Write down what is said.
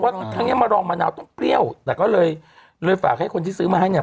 ครั้งเนี้ยมารองมะนาวต้องเปรี้ยวแต่ก็เลยเลยฝากให้คนที่ซื้อมาให้เนี่ย